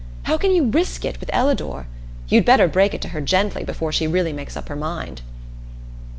How can you risk it with Ellador? You'd better break it to her gently before she really makes up her mind."